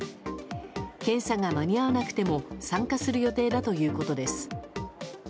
検査が間に合わなくても参加する予定だということです。